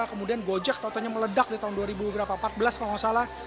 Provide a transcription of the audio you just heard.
kemudian gojek tautannya meledak di tahun dua ribu empat belas kalau nggak salah